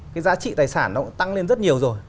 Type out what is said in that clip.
cái giá trị tài sản nó cũng tăng lên rất nhiều rồi